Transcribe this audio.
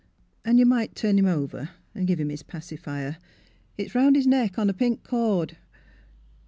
— An' you might turn him over, and give him his }3acifier; it's round his neck on a pink cord."